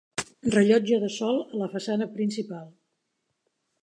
Rellotge de sol a la façana principal.